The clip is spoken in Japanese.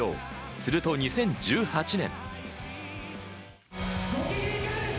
すると、２０１８年。